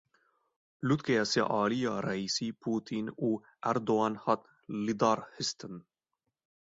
Lûtkeya sê alî ya Reîsî, Putin û Erdogan hat lidarxistin.